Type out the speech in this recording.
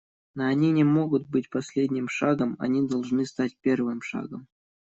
Но они не могут быть последним шагом − они должны стать первым шагом.